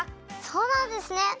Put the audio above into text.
そうなんですね。